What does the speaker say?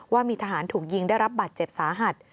ว่ามีทหารถูกยิงได้รับบาดเจ็บสาหัส